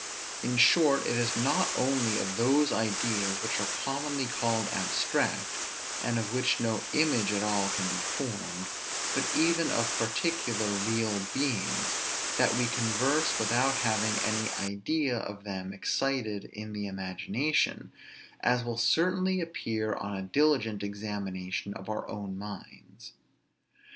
In short, it is not only of those ideas which are commonly called abstract, and of which no image at all can be formed, but even of particular, real beings, that we converse without having any idea of them excited in the imagination; as will certainly appear on a diligent examination of our own minds.